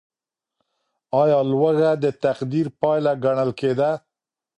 ايا لوږه د تقدير پايله ګڼل کيده؟